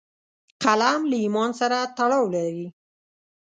قلم له ایمان سره تړاو لري